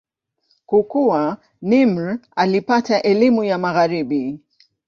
Kukua, Nimr alipata elimu ya Magharibi.